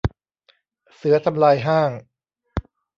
เสือทำลายห้าง